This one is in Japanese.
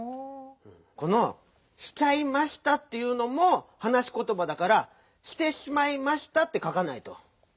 この「しちゃいました」っていうのもはなしことばだから「『してしまい』ました」ってかかないと。